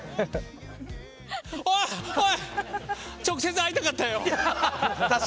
直接、会いたかったよ！